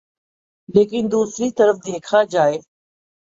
لیکن دوسری طرف دیکھا جائے